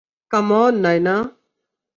Come on, Naina!